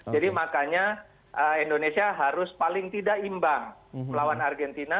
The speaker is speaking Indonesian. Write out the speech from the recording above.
jadi makanya indonesia harus paling tidak imbang melawan argentina